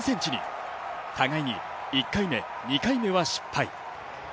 互いに１回目、２回目は失敗。